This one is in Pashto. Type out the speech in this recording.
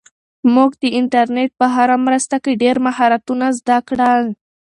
موږ د انټرنیټ په مرسته ډېر مهارتونه زده کړل.